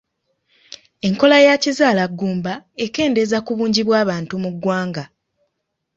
Enkola ya kizaalaggumba ekendeeza ku bungi bw'abantu mu ggwanga.